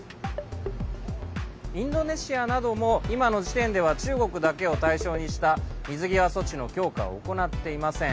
インドネシアなども今の時点では中国だけを対象にした水際措置の強化を行っていません。